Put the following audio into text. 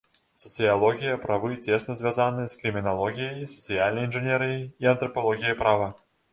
Сацыялогія правы цесна звязана з крыміналогіяй, сацыяльнай інжынерыяй і антрапалогіяй права.